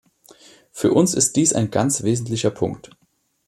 Für uns ist dies ein ganz wesentlicher Punkt.